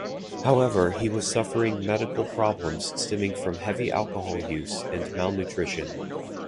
However, he was suffering medical problems stemming from heavy alcohol use and malnutrition.